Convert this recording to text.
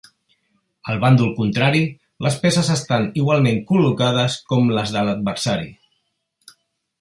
Al bàndol contrari, les peces estan igualment col·locades com les de l'adversari.